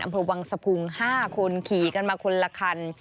อำเภอวังสะพุง๕คนขี่กันมาคนละคัน